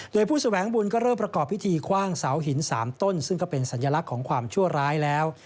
โดยผู้แสวงบุญก็เริ่มประกอบพิธีคว่างเสาหิน๓ต้นซึ่งก็เป็นสัญลักษณ์ของความชั่วร้ายแล้ว